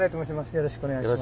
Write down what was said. よろしくお願いします。